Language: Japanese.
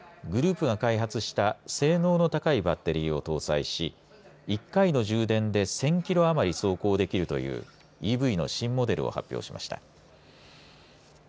埃安はグループが開発した性能と高いバッテリを搭載し１回の充電で１０００キロ余り走行できるというＥＶの新モデルを発表しました。